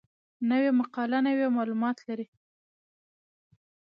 نوې مقاله نوي معلومات لري